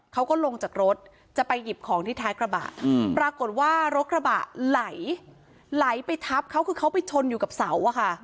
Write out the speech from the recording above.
เขาก็ลงจากรถจะไปหยิบของที่ท้ายกระบะปรากฏว่ารถกระบะไหลไปทับเขาคือเขาไปชนอยู่กับเสาอะค่ะ